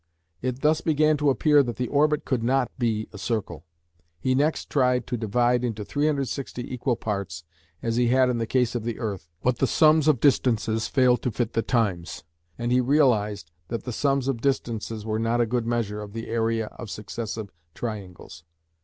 It thus began to appear that the orbit could not be a circle. He next tried to divide into 360 equal parts, as he had in the case of the earth, but the sums of distances failed to fit the times, and he realised that the sums of distances were not a good measure of the area of successive triangles.